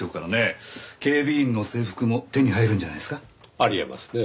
あり得ますねぇ。